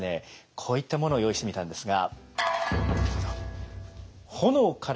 こういったものを用意してみたんですが。